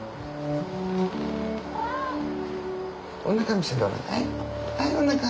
おなか見せておなか。